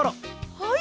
はい！